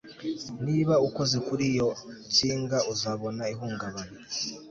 Niba ukoze kuri iyo nsinga uzabona ihungabana